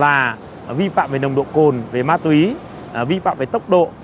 và vi phạm về nồng độ cồn về ma túy vi phạm về tốc độ